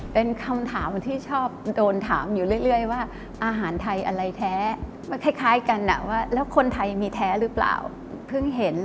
เป็นคำถามที่ชอบโดนถามอยู่เรื่อยว่าอาหารไทยอะไรแท้